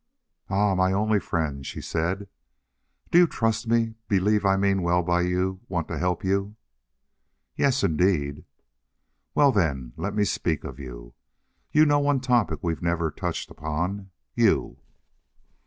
"Ah! my only friend," she said. "Do you trust me, believe I mean well by you, want to help you?" "Yes, indeed." "Well, then, let me speak of you. You know one topic we've never touched upon. You!"